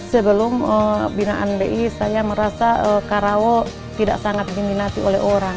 sebelum binaan bi saya merasa karawa tidak sangat diminati oleh orang